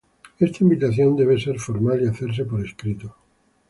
Esta invitación debe ser formal y hacerse por escrito.